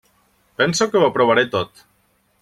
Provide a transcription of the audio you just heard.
Pense que ho aprovaré tot.